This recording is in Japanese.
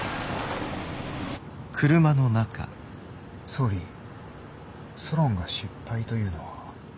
総理ソロンが失敗というのは。